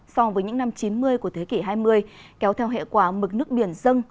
so với những năm chín mươi của thế kỷ hai mươi kéo theo hệ quả mực nước biển dân